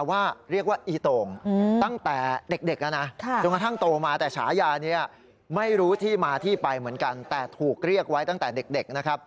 ว่าเรียกว่าอีตงตั้งแต่เด็กละนะ